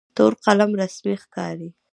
تور قلم رسمي ښکاري.